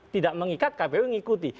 tidak mengikat kpu mengikuti